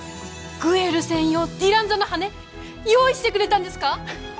グエル専用ディランザの羽根用意してくれたんですか？